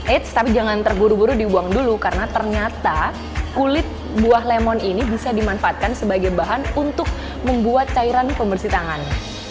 eits tapi jangan terburu buru dibuang dulu karena ternyata kulit buah lemon ini bisa dimanfaatkan sebagai bahan untuk membuat cairan pembersih tangan